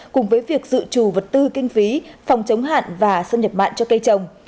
cùng với việc dự trù vật tư kinh phí phòng chống hạn và xâm nhập mặn cho cây trồng